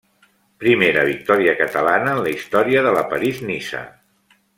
Primera victòria catalana en la història de la París-Niça.